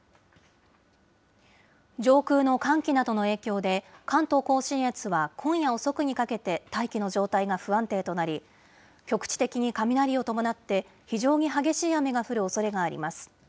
上空の寒気などの影響で、関東甲信越は今夜遅くにかけて、大気の状態が不安定となり、局地的に雷を伴って、非常に激しい雨が降るおそれがあります。